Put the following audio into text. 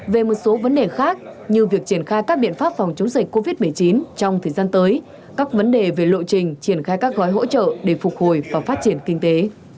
về một số vấn đề khác như việc triển khai các biện pháp phòng chống dịch covid một mươi chín trong thời gian tới các vấn đề về lộ trình triển khai các gói hỗ trợ để phục hồi và phát triển kinh tế